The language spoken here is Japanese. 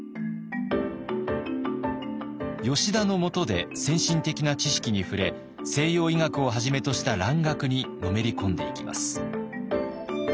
吉田のもとで先進的な知識に触れ西洋医学をはじめとした蘭学にのめり込んでいきます。